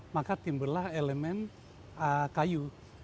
maka timbullah elemen kayu